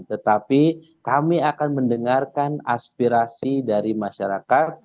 tetapi kami akan mendengarkan aspirasi dari masyarakat